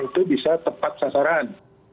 itu bisa tepat sasaran